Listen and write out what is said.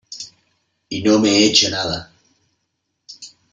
¡ y no me he hecho nada !